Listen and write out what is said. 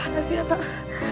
ngasih ya pak